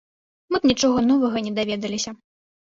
Мы б нічога новага не даведаліся.